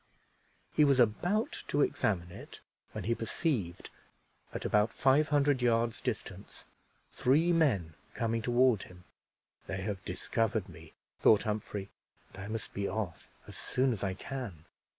He was about to examine it, when he perceived, at about five hundred yards' distance, three men coming toward him. "They have discovered me," thought Humphrey; "and I must be off as soon as I can."